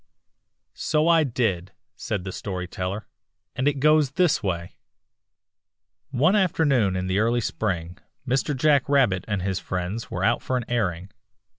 "So I did," said the Story Teller, "and it goes this way: " "One afternoon in the early spring Mr. Jack Rabbit and his friends were out for an airing.